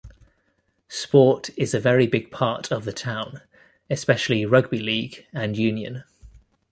Sport is a very big part of the town, especially Rugby League and Union.